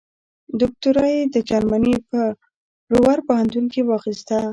دوکتورا یې د جرمني په رور پوهنتون کې واخیسته.